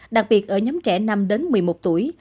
đặc biệt ở nhóm trẻ năm đến một mươi một tuổi